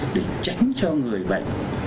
để tránh cho người bệnh